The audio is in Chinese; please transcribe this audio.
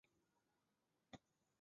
萨马藏人口变化图示